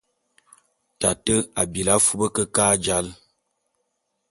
Tate a bilí afub kekâ e jāl.